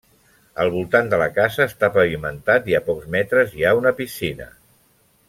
El voltant de la casa està pavimentat i a pocs metres hi ha una piscina.